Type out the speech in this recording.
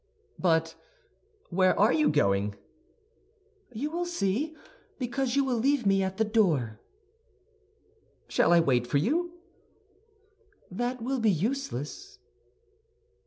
"But where are you going?" "You will see, because you will leave me at the door." "Shall I wait for you?" "That will be useless."